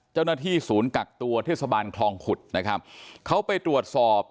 เจ้าหน้าที่ศูนย์กักตัวเทศบาลคลองขุดนะครับเขาไปตรวจสอบ